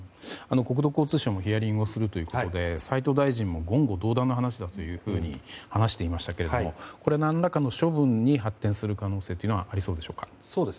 国土交通省もヒアリングをするということで斉藤大臣も言語道断だと話していましたけれども何らかの処分に発展する可能性はありそうでしょうか。